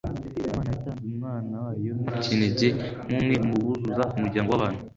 Imana yatanze Umwana wayo w'ikinege nk'umwe mu buzuza umuryango w'abantu,